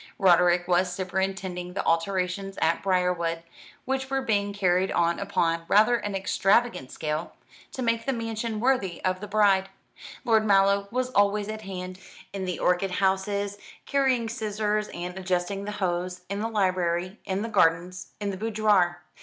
Roderick was superintending the alterations at Briarwood, which were being carried on upon rather an extravagant scale, to make the mansion worthy of the bride. Lord Mallow was always at hand, in the orchid houses, carrying scissors and adjusting the hose, in the library, in the gardens, in the boudoir.